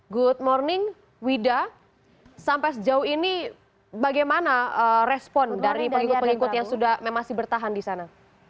good morning wida sampai sejauh ini bagaimana respon dari pengikut pengikut yang sudah masih bertahan di sana